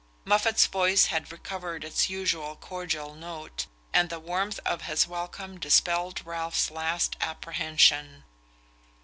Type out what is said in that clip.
Moffatt's voice had recovered its usual cordial note, and the warmth of his welcome dispelled Ralph's last apprehension.